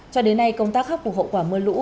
cho đến nay công tác khắc phục hậu quả mưa lũ